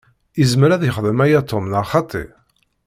Izmer ad yexdem aya Tom, neɣ xaṭi?